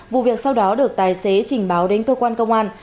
vụ việc sau đó được tài xế trình báo đến cơ quan công an